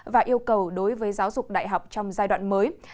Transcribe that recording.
và yêu cầu đối với giáo dục đại học trong giai đoạn mới